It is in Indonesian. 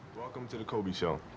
selamat datang di the kobe show